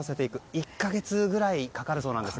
１か月ぐらいかかるそうなんです。